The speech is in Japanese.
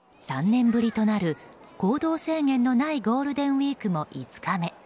３年ぶりとなる行動制限のないゴールデンウィークも５日目。